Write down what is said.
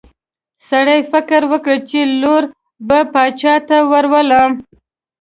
سړي فکر وکړ چې لور به باچا ته ورولم.